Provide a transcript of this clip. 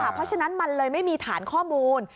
เพราะฉะนั้นมันเลยไม่มีฐานข้อมูล